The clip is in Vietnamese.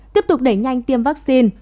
tiếp tục đẩy nhanh tiêm vaccine